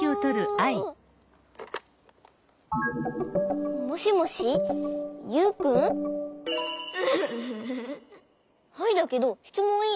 アイだけどしつもんいい？